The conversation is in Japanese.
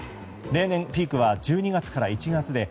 例年、ピークは１２月から１月で